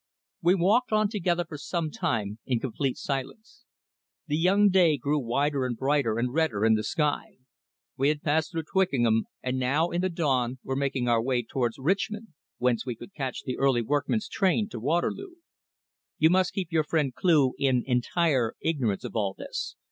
We walked on together for some time in complete silence. The young day grew wider and brighter and redder in the sky. We had passed through Twickenham, and now, in the dawn, were making our way towards Richmond, whence we could catch the early workmen's train to Waterloo. "You must keep your friend Cleugh in entire ignorance of all this.